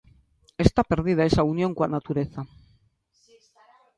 Está perdida esa unión coa natureza.